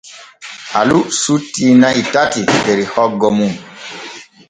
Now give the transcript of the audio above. Alu sutti na'i tati der hoggo mum.